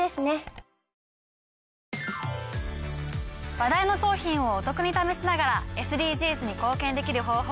話題の商品をお得に試しながらＳＤＧｓに貢献できる方法